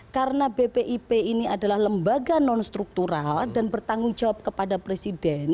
karena bpip ini adalah lembaga nonstruktural dan bertanggung jawab kepada presiden